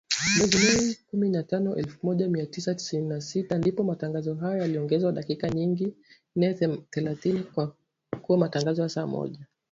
Mwezi Mei, kumi na tano elfu Moja Mia tisa tisini na sita , ndipo matangazo hayo yaliongezewa dakika nyingine thelathini na kuwa matangazo ya saa moja